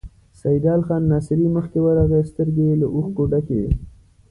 سيدال خان ناصري مخکې ورغی، سترګې يې له اوښکو ډکې وې.